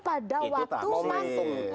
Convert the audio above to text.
pada waktu itu tak boleh